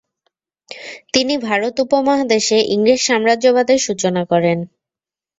তিনি ভারত উপমহাদেশে ইংরেজ সাম্রাজ্যবাদের সূচনা করেন।